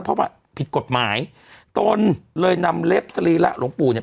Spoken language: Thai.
เพราะว่าผิดกฎหมายตนเลยนำเล็บสรีระหลวงปู่เนี่ย